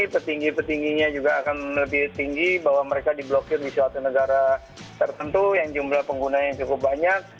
petinggi petingginya juga akan lebih tinggi bahwa mereka diblokir di suatu negara tertentu yang jumlah penggunanya cukup banyak